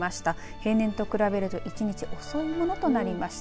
平年と比べると１日遅いものとなりました。